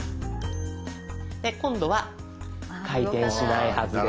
今度は回転しないはずです。